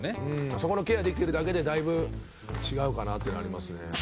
そこのケアできるだけでだいぶ違うかなっていうのはありますね。